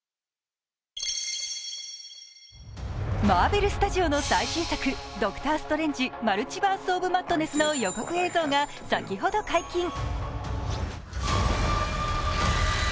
マーベルスタジオの最新作「ドクター・ストレンジ／マルチバース・オブ・マッドネス」の予告映像が先ほど解禁。